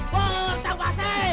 pur cang basi